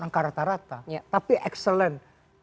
angka rata rata tapi excellent